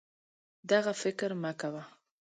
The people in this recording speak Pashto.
دغه فکر مه کوه